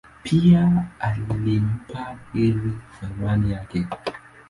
Pia alimpa heri kwa imani yake.